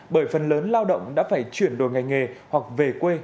bởi phần lớn lao động đã phải chuyển đổi ngành nghề hoặc về quê